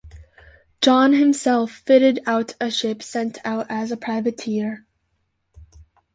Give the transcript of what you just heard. John himself fitted out a ship sent out as a privateer.